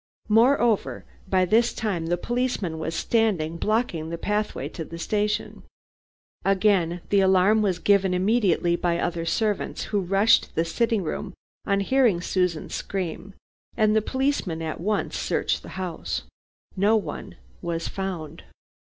Moreover, by this time the policeman was standing blocking the pathway to the station. Again, the alarm was given immediately by the other servants, who rushed to the sitting room on hearing Susan's scream, and the policeman at once searched the house. No one was found.